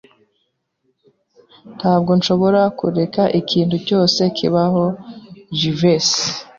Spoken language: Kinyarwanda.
Ntabwo nshobora kureka ikintu cyose kibaho Jivency.